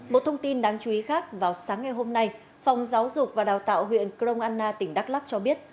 và chú ý khác vào sáng ngày hôm nay phòng giáo dục và đào tạo huyện cron anna tỉnh đắk lắc cho biết